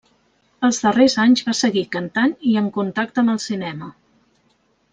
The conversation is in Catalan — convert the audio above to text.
Els darrers anys va seguir cantant i en contacte amb el cinema.